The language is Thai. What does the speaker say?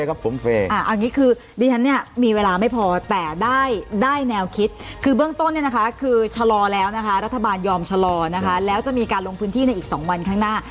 เอาอย่างนี้คือดิฉันเนี่ยมีเวลาไม่พอแต่ได้แนวคิดคือเบื้องต้นเนี่ยนะคะคือชะลอแล้วนะคะรัฐบาลยอมชะลอนะคะแล้วจะมีการลงพื้นที่ในอีก๒วันข้างหน้า